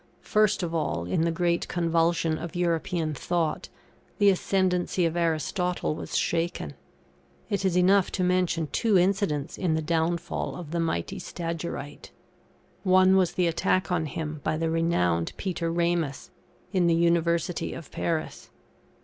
First of all, in the great convulsion of European thought, the ascendancy of Aristotle was shaken. It is enough to mention two incidents in the downfall of the mighty Stagyrite. One was the attack on him by the renowned Peter Rainus, in the University of Paris.